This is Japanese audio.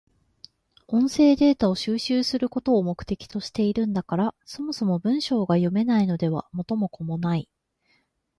音声データを収集することを目的としているんだから、そもそも文章が読めないのでは元も子もない。